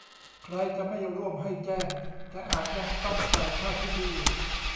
ใครจะไม่ร่วมให้แจ้ง แต่อาจยังต้องจ่ายค่าพิธีอยู่